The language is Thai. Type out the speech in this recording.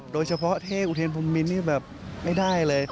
โดยเฉพาะเท่อุเทนพรมมินนี่แบบไม่ได้เลย